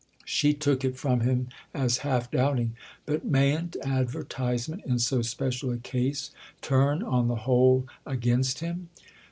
She took it from him as half doubting. "But mayn't advertisement, in so special a case, turn, on the whole, against him?"